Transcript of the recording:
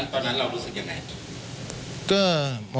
ตอนนั้นเรารู้สึกยังไง